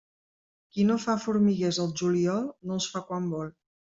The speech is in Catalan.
Qui no fa formiguers el juliol, no els fa quan vol.